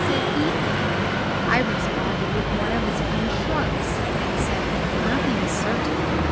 said he. I responded with one of his own shrugs, and said, "Nothing is certain.